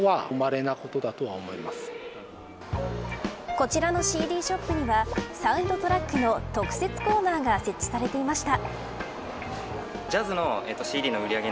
こちらのＣＤショップにはサウンドトラックの特設コーナーが設置されていました。